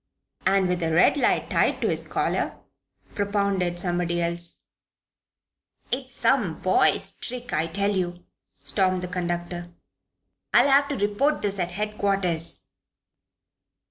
"And with a red light tied to his collar?" propounded somebody else. "It's some boy's trick, I tell you," stormed the conductor. "I'll have to report this at headquarters."